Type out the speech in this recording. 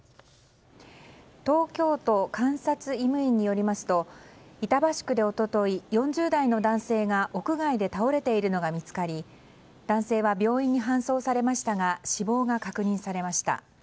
東京都監察医務院によりますと板橋区で一昨日４０代の男性が屋外で倒れているのが見つかり男性は病院に搬送されましたが死亡が確認されました。